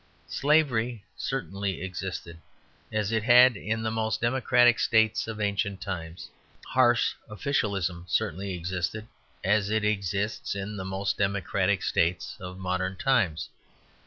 Slavery certainly existed, as it had in the most democratic states of ancient times. Harsh officialism certainly existed, as it exists in the most democratic states of modern times.